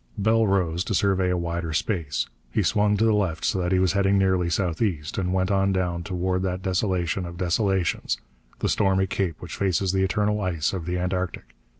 Bell rose, to survey a wider space. He swung to the left, so that he was heading nearly southeast, and went on down toward that desolation of desolations, the stormy cape which faces the eternal ice of the antarctic.